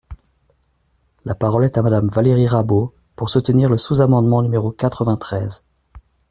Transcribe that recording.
La parole est à Madame Valérie Rabault, pour soutenir le sous-amendement numéro quatre-vingt-treize.